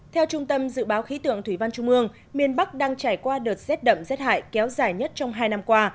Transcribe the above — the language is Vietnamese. theo trung tâm dự báo khí tượng thủy văn trung ương miền bắc đang trải qua đợt rét đậm rét hại kéo dài nhất trong hai năm qua